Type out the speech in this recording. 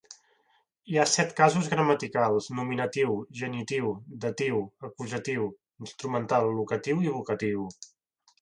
Hi ha set casos gramaticals: nominatiu, genitiu, datiu, acusatiu, instrumental, locatiu i vocatiu.